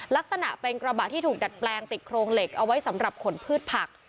ลักษณะเป็นกระบะที่ถูกดัดแปลงติดโครงเหล็กเอาไว้สำหรับขนพืชผัก